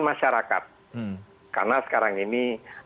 masyarakat karena sekarang ini